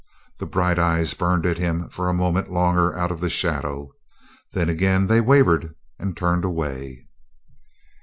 The bright eyes burned at him for a moment longer out of the shadow. Then, again, they wavered, and turned away.